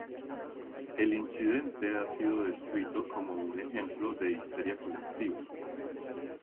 El incidente ha sido descrito como un ejemplo de histeria colectiva.